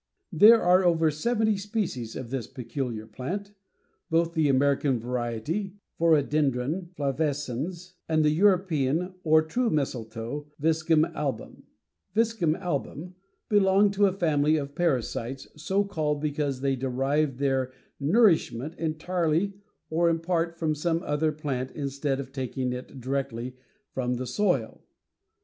There are over seventy species of this peculiar plant. Both the American variety (Phoradendron flavescens) and the European, or true mistletoe (Viscum album), belong to a family of parasites, so called because they derive their nourishment entirely or in part from some other plant instead of taking it directly from the soil.